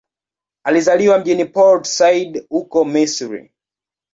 Alizaliwa mjini Port Said, huko Misri.